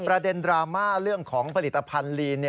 ประเด็นดราม่าเรื่องของผลิตภัณฑ์ลีน